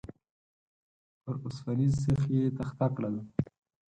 پر اوسپنيز سيخ يې تخته کړل.